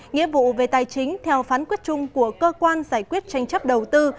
nghĩa vụ về tài chính theo phán quyết chung của cơ quan giải quyết tranh chấp đầu tư